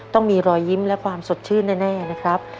ต้องมีรอยยิ้มและความสดชื่นแน่นะครับ